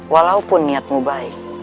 walaupun niatmu baik